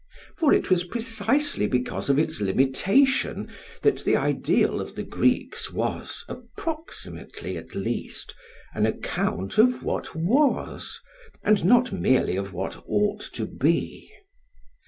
For it was precisely because of its limitation that the ideal of the Greeks was, approximately at least, an account of what was, and not merely of what ought to be.